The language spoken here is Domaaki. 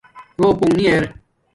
روپنگ نی ار